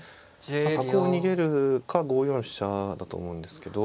角を逃げるか５四飛車だと思うんですけど。